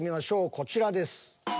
こちらです。